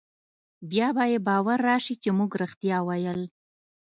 بيا به يې باور رايشي چې مونګه رښتيا ويل.